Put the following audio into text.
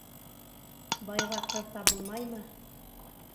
Байға ҡыҙ табылмаймы?